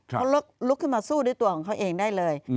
เขาลุกขึ้นมาสู้ด้วยตัวของเขาเองได้เลย